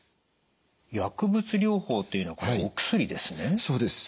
薬物療法というのはこれはお薬ですね？